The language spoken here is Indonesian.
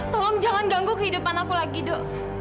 tolong jangan ganggu kehidupan aku lagi dok